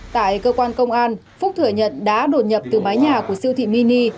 tại cơ quan công an phúc thừa nhận đã đột nhập từ mái nhà của siêu thị mini